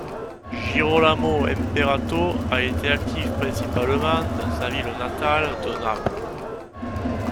Girolamo Imparato a été actif principalement dans sa ville natale de Naples.